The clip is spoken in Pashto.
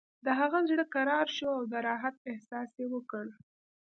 د هغه زړه کرار شو او د راحت احساس یې وکړ